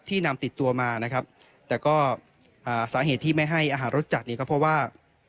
นำติดตัวมานะครับแต่ก็อ่าสาเหตุที่ไม่ให้อาหารรสจัดเนี่ยก็เพราะว่า